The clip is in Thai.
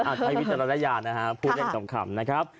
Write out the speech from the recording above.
อาทรายวิทยาลัยานะครับพูดแบบสำคัญนะครับ